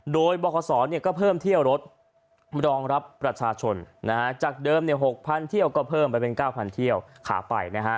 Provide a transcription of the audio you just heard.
โดยบคศก็เพิ่มเที่ยวรถรองรับประชาชนจากเดิม๖๐๐เที่ยวก็เพิ่มไปเป็น๙๐๐เที่ยวขาไปนะฮะ